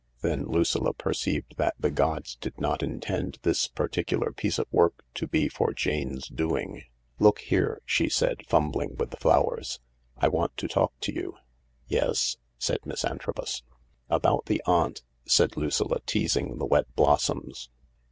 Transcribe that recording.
Then Lucilla perceived that the gods did not intend this particular piece of work to be for Jane's doing. "Look here," she said, fumbling with the flowers, "I want to talk to you." " Yes ?" said MLss Antrobus. " About the aunt," said Lucilla, teasing the wet blossoms.